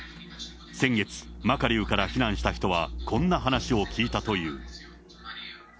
先月、マカリウから避難した人はこんな話を聞いたという。